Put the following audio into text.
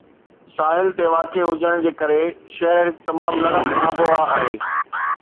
ساحل تي واقع هجڻ جي ڪري، شهر هڪ تمام نرم آبهوا آهي